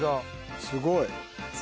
すごい。